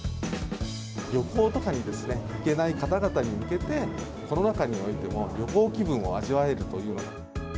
旅行とかにですね、行けない方々に向けて、コロナ禍においても旅行気分を味わえるというのが。